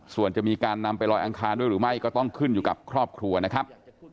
ส่วนจะมีการนำไปลอยอังคารด้วยหรือไม่ก็ต้องขึ้นอยู่กับครอบครัวนะครับ